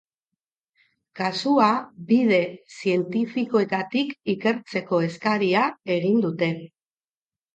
Kasua bide zientifikoetatik ikertzeko eskaria egin dute.